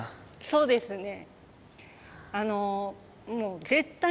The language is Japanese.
そうですね